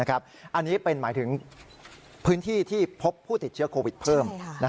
อันนี้เป็นหมายถึงพื้นที่ที่พบผู้ติดเชื้อโควิดเพิ่ม